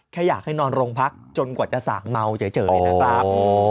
แค่อยากให้นอนลงพักจนกว่าจะสามาร์เจ๋ยนะครับ